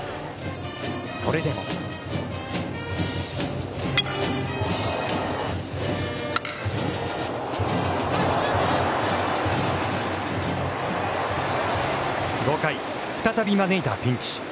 それでも５回、再び招いたピンチ。